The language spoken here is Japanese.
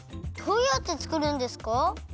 どうやってつくるんですか？